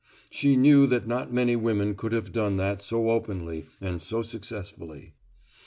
She knew that not many women could have done that so openly and so successfully.